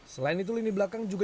selain itu lini belakang juga